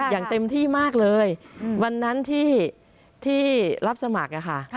อย่างเต็มที่มากเลยวันนั้นที่รับสมัครค่ะ